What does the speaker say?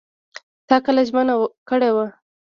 تا کلکه ژمنه کړې وه !